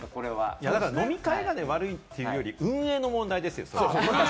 飲み会が悪いというより、運営の問題ですよ。